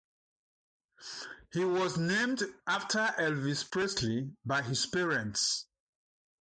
He was named after Elvis Presley by his parents.